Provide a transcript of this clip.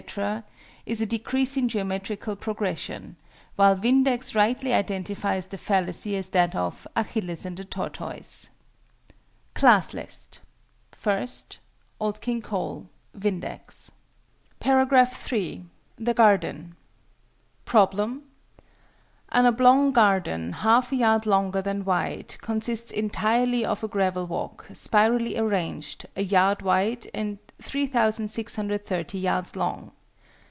is a decreasing Geometrical Progression: while VINDEX rightly identifies the fallacy as that of "Achilles and the Tortoise." CLASS LIST. I. OLD KING COLE. VINDEX. § 3. THE GARDEN. Problem. An oblong garden, half a yard longer than wide, consists entirely of a gravel walk, spirally arranged, a yard wide and 3,630 yards long.